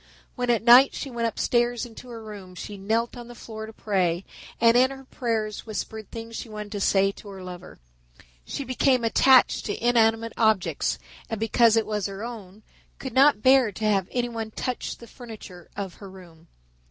When at night she went upstairs into her own room she knelt on the floor to pray and in her prayers whispered things she wanted to say to her lover. She became attached to inanimate objects, and because it was her own, could not bare to have anyone touch the furniture of her room.